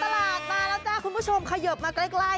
ตลาดมาแล้วจ้าคุณผู้ชมเขยิบมาใกล้